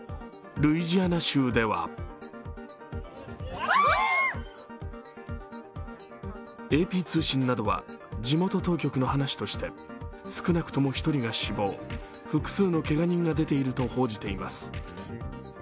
ルイジアナ州ではＡＰ通信などは、地元当局の話として少なくとも１人が死亡複数のけが人が出ていると報じています。